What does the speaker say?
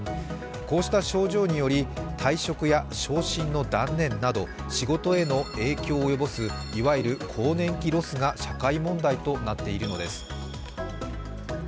こうした症状により退職や昇進の断念など仕事への影響を及ぼすいわゆる更年期ロスが社会問題となっているのです。